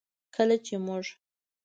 کله چې موږ